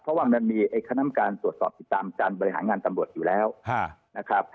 เพราะว่ามันมีคณะกรรมการตรวจสอบติดตามการบริหารงานตำรวจอยู่แล้วนะครับ